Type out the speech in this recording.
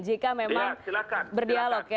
jika memang berdialog ya